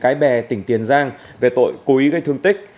tại phố huyện cái bè tỉnh tiền giang về tội cố ý gây thương tích